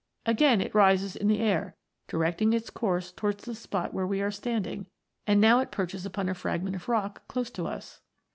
Again it rises in the air, directing its course towards the spot where we are standing, and now it perches upon a fragment of rock close to us.